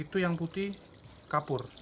itu yang putih kapur